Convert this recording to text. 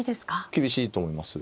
厳しいと思います。